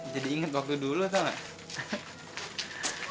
jadi inget waktu dulu tau gak